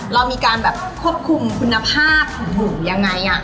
เรามีการแบบควบคุมคุณภาพผิวอย่างไรอะ